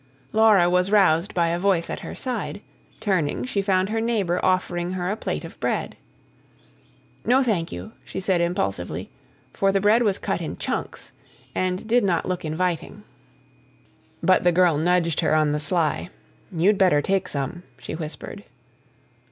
Laura was roused by a voice at her side; turning, she found her neighbour offering her a plate of bread. "No, thank you," she said impulsively; for the bread was cut in chunks, and did not look inviting. But the girl nudged her on the sly. "You'd better take some," she whispered.